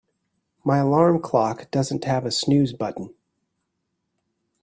My alarm clock doesn't have a snooze button.